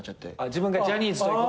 自分がジャニーズということに？